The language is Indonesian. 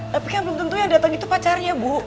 tapi kan belum tentu yang datang itu pacarnya bu